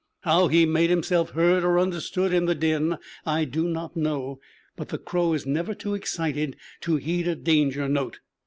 How he made himself heard or understood in the din I do not know; but the crow is never too excited to heed a danger note.